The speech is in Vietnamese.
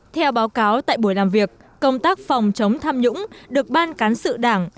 theo báo cáo tại buổi làm việc công tác phòng chống tham nhũng được ban cán sự đảng